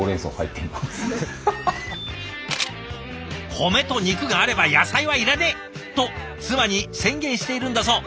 「米と肉があれば野菜はいらねえ！」と妻に宣言しているんだそう。